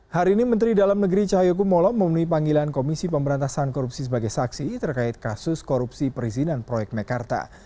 hari ini menteri dalam negeri cahayu kumolo memenuhi panggilan komisi pemberantasan korupsi sebagai saksi terkait kasus korupsi perizinan proyek mekarta